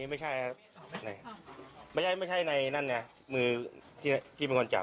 อันนี้ไม่ใช่ในนั้นมือที่เป็นคนจับ